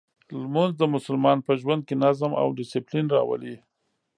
لمونځ د مسلمان په ژوند کې نظم او دسپلین راولي.